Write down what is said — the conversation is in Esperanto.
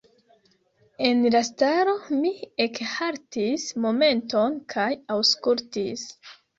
En la stalo mi ekhaltis momenton kaj aŭskultis.